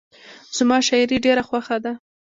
زما شاعري ډېره خوښه ده.